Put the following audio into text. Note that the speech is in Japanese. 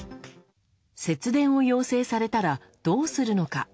節電を要請されたらどうするのか。